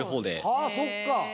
はあそっか。